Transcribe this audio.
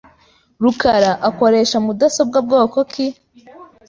rukara akoresha mudasobwa bwoko ki?